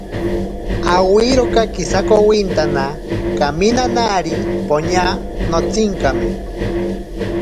Awiroka kisakowintana, kaminanari poña notsinkame.